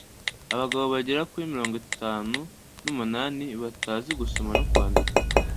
abagabo bagera kuri mirongo itanu n’umunani batazi gusoma no kwandika,